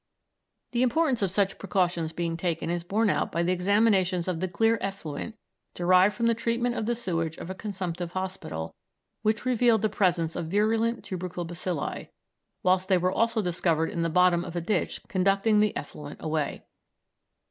The importance of such precautions being taken is borne out by the examinations of the clear effluent derived from the treatment of the sewage of a consumptive hospital which revealed the presence of virulent tubercle bacilli, whilst they were also discovered in the bottom of a ditch conducting the effluent away.